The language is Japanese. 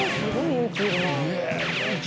勇気いるな。